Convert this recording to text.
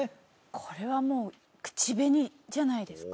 これはもう口紅じゃないですか？